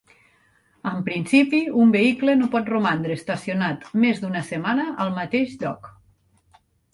En principi un vehicle no pot romandre estacionat més d'una setmana al mateix lloc.